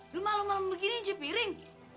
lu malu malu begini aja piring